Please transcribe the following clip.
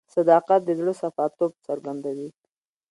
صداقت د زړه صفا توب څرګندوي.